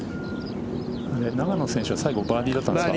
永野選手は最後バーディーだったんですか。